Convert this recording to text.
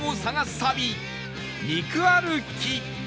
旅肉歩き